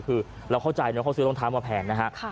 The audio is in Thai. คือเราเข้าใจนะเขาซื้อรองเท้ามาแผงนะฮะ